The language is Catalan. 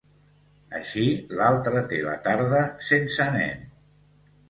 Així l'altra té la tarda sense nen.